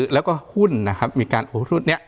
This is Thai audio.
แล้วก็หุ้นมีการโอนทรุดนี้